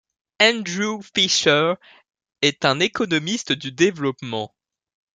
Andrew Fischer, est un économiste du développement.